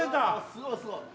◆すごいすごい。